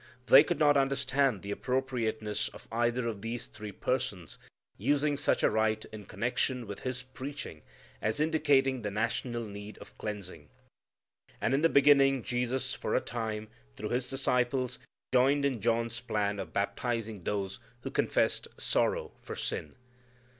They could understand the appropriateness of either of these three persons using such a rite in connection with his preaching as indicating the national need of cleansing. And in the beginning Jesus for a time, through His disciples, joined in John's plan of baptizing those who confessed sorrow for sin.